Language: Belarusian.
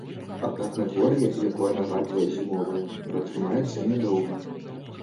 Аднак надвор'е, якое нагадвае зімовае, пратрымаецца нядоўга.